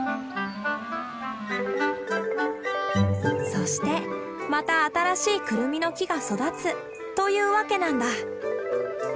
そしてまた新しいクルミの木が育つというわけなんだ。